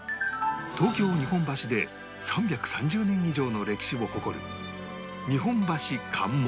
東京日本橋で３３０年以上の歴史を誇る